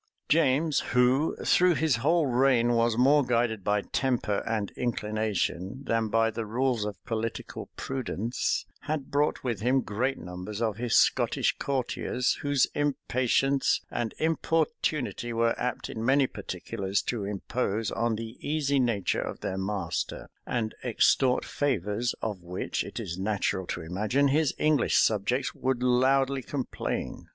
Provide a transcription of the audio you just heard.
James, who, through his whole reign, was more guided by temper and inclination than by the rules of political prudence, had brought with him great numbers of his Scottish courtiers, whose impatience and importunity were apt, in many particulars, to impose on the easy nature of their master, and extort favors of which, it is natural to imagine, his English subjects would loudly complain.